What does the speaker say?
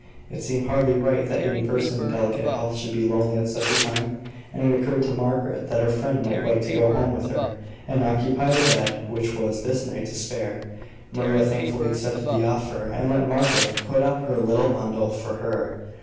It seemed hardly right that any person in delicate health should be lonely at such a time; and it occurred to Margaret that her friend might like to go home with her, and occupy the bed which was this night to spare. Maria thankfully accepted the offer, and let Margaret put up her little bundle for her.